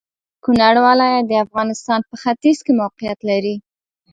کونړ ولايت د افغانستان په ختيځ کې موقيعت لري.